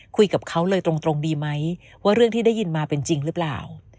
คุยกับเขาเลยตรงดีไหมว่าเรื่องที่ได้ยินมาเป็นจริงหรือเปล่า